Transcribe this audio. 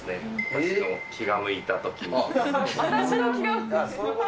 私の気が向いたときに。